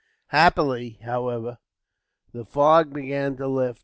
Happily, however, the fog began to lift.